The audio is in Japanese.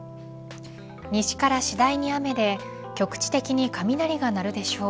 西から次第に雨で局地的に雷が鳴るでしょう。